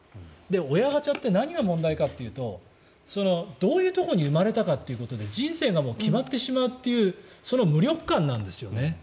親ガチャって何が問題かというとどういうところに生まれたかということで人生が決まってしまうというその無力感なんですよね。